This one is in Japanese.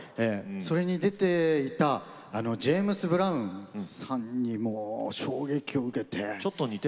それに出ていたジェームス・ブラウンさんにもう衝撃を受けて。